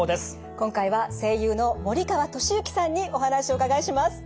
今回は声優の森川智之さんにお話お伺いします。